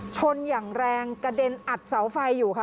ชนอย่างแรงกระเด็นอัดเสาไฟอยู่ค่ะ